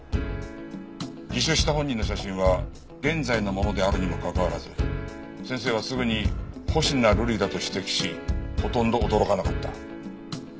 自首した本人の写真は現在のものであるにもかかわらず先生はすぐに星名瑠璃だと指摘しほとんど驚かなかった。